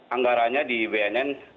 anggarannya di bnn